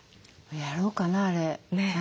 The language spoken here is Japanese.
やろうかなあれ。